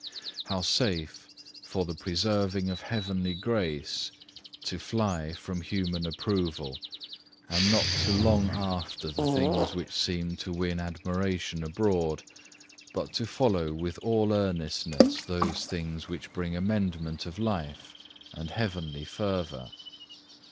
How safe for the preserving of heavenly grace to fly from human approval, and not to long after the things which seem to win admiration abroad, but to follow with all earnestness those things which bring amendment of life and heavenly fervour!